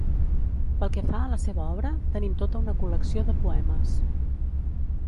Pel que fa a la seva obra, tenim tota una col·lecció de poemes.